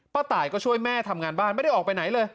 ตายก็ช่วยแม่ทำงานบ้านไม่ได้ออกไปไหนเลย